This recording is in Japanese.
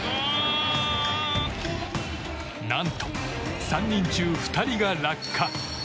何と、３人中２人が落下。